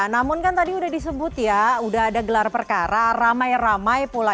namun kan tadi udah disebut ya udah ada gelar perkara ramai ramai pula